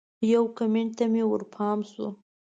یو کمنټ ته مې ورپام شو